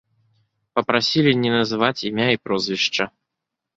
Папрасілі не называць імя і прозвішча.